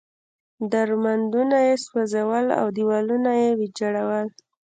درمندونه یې سوځول او دېوالونه یې ویجاړول.